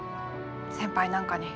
先輩なんかに。